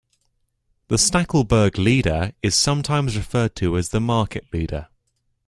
The Stackelberg leader is sometimes referred to as the Market Leader.